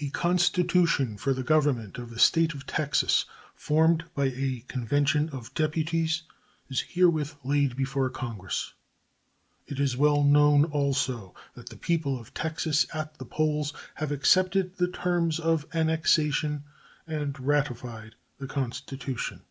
A constitution for the government of the State of Texas, formed by a convention of deputies, is herewith laid before Congress. It is well known, also, that the people of Texas at the polls have accepted the terms of annexation and ratified the constitution.